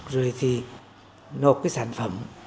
rồi thì nộp cái sản phẩm